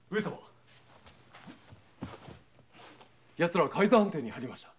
やつらは海津藩邸に入りました。